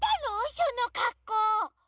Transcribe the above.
そのかっこう。